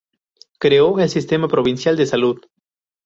Creó el Sistema Provincial de Salud.